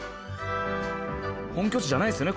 本拠地じゃないですよね